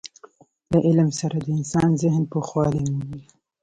له علم سره د انسان ذهن پوخوالی مومي.